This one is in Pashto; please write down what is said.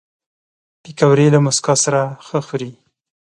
پکورې له موسکا سره ښه خوري